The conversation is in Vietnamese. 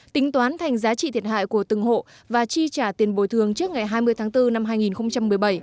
tính toán thành giá trị thiệt hại của từng hộ và chi trả tiền bồi thường trước ngày hai mươi tháng bốn năm hai nghìn một mươi bảy